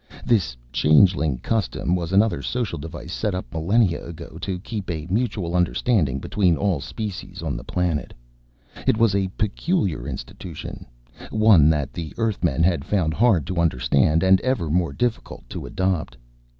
This Changeling custom was another social device set up millennia ago to keep a mutual understanding between all species on the planet. It was a peculiar institution, one that the Earthmen had found hard to understand and ever more difficult to adopt.